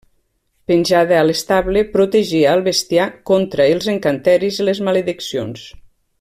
Penjada a l'estable, protegia al bestiar contra en encanteris i les malediccions.